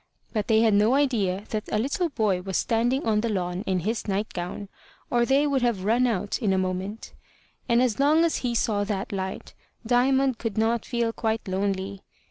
But they had no idea that a little boy was standing on the lawn in his night gown, or they would have run out in a moment. And as long as he saw that light, Diamond could not feel quite lonely.